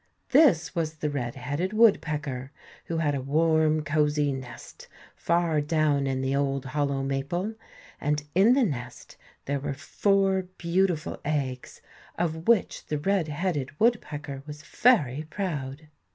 This was the red headed woodpecker, who had a warm, cosey nest far down in the old hollow maple, and in the nest there were four beautiful eggs, of which the red headed woodpecker was very proud.